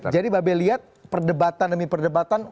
jadi mbak bel lihat perdebatan demi perdebatan